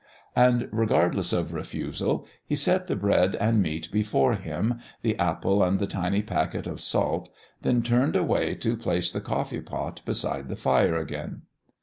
And, regardless of refusal, he set the bread and meat before him, the apple and the tiny packet of salt, then turned away to place the coffee pot beside the fire again.